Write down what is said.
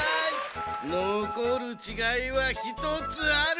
のこるちがいは１つある。